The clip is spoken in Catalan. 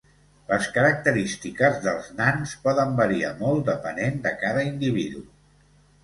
Les característiques dels nans poden variar molt depenent de cada individu.